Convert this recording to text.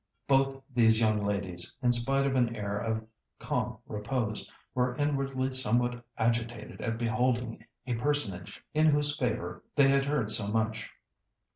Both these young ladies, in spite of an air of calm repose, were inwardly somewhat agitated at beholding a personage in whose favour they had heard so much.